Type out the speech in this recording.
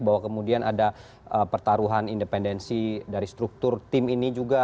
bahwa kemudian ada pertaruhan independensi dari struktur tim ini juga